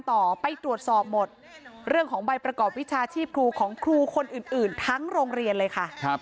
ต่อไปตรวจสอบหมดเรื่องของใบประกอบวิชาชีพครูของครูคนอื่นทั้งโรงเรียนเลยค่ะ